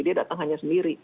dia datang hanya sendiri